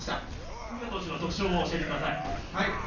隅田投手の特徴を教えてください。